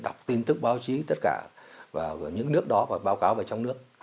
đọc tin tức báo chí tất cả vào những nước đó và báo cáo về trong nước